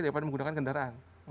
daripada menggunakan kendaraan